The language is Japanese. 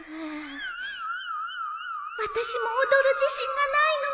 私も踊る自信がないの。